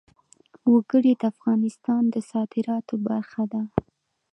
وګړي د افغانستان د صادراتو برخه ده.